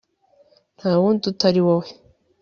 Nta wundi utari wowe